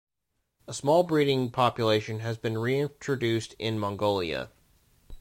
A small breeding population has been reintroduced in Mongolia.